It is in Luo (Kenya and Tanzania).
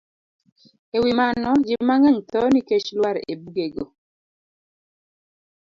E wi mano, ji mang'eny tho nikech lwar e bugego